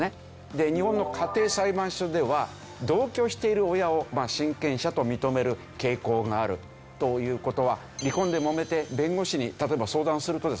で日本の家庭裁判所では同居している親を親権者と認める傾向があるという事は離婚でもめて弁護士に例えば相談するとですね